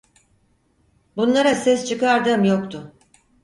Bunlara ses çıkardığım yoktu.